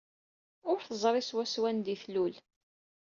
Ur teẓri swaswa anda ay tlul.